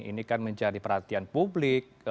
ini kan menjadi perhatian publik